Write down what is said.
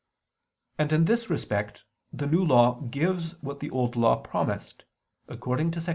And in this respect, the New Law gives what the Old Law promised, according to 2 Cor.